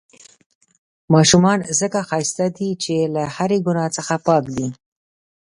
ماشومان ځڪه ښايسته دي، چې له هرې ګناه څخه پاک دي.